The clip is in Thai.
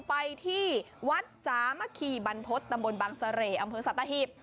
ไปที่วัดจามะขี่บานพลตำบลบังเสรต์อำเภิงสตะหิบ